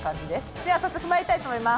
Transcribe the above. では早速まいりたいと思います。